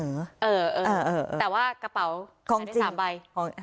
เออแต่ว่ากระเป๋าของ๓ใบ